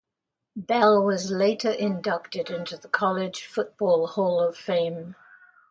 Bell was later inducted into the College Football Hall of Fame.